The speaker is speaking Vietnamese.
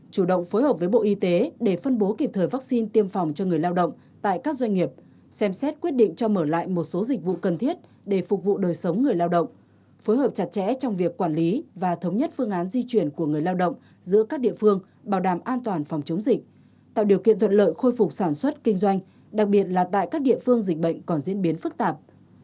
ba chủ động phối hợp với bộ y tế để phân bố kịp thời vaccine tiêm phòng cho người lao động tại các doanh nghiệp xem xét quyết định cho mở lại một số dịch vụ cần thiết để phục vụ đời sống người lao động phối hợp chặt chẽ trong việc quản lý và thống nhất phương án di chuyển của người lao động giữa các địa phương bảo đảm an toàn phòng chống dịch tạo điều kiện thuận lợi khôi phục sản xuất kinh doanh đặc biệt là tại các địa phương dịch bệnh còn diễn biến phức tạp